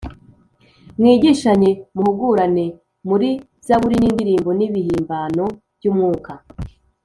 mwigishanye muhugurane muri zaburi n’indirimbo n’ibihimbano by’umwuka